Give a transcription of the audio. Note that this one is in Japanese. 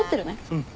うん。